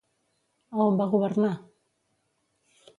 A on va governar?